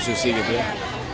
kebu susi gitu ya